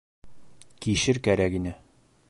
— Кишер кәрәк ине.